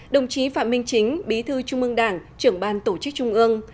đồng chí phạm minh chính bí thư trung ương đảng trưởng ban tổ chức trung ương